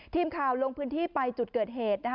ทีมข่าวลงพื้นที่ไปจุดเกิดเหตุ